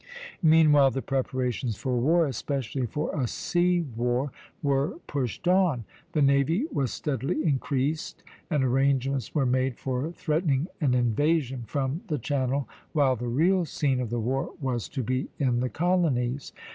Meanwhile the preparations for war, especially for a sea war, were pushed on; the navy was steadily increased, and arrangements were made for threatening an invasion from the Channel, while the real scene of the war was to be in the colonies.